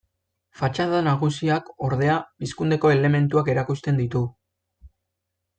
Fatxada nagusiak, ordea, Pizkundeko elementuak erakusten ditu.